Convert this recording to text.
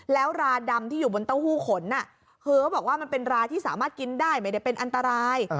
แล้วราดำที่อยู่บนเต้าหู้ขนเป็นราราที่สามารถกินได้ไม่ได้เป็นอันตราย